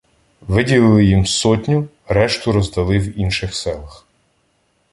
Вділили їм сотню, решту роздали в інших селах.